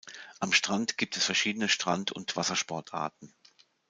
Am Strand gibt es verschiedene Strand- und Wassersportarten.